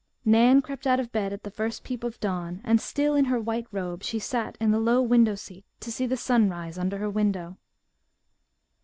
Nan crept out of bed at the first peep of dawn, and still in her white robe, she sat in the low window seat to see the sun rise "under her window."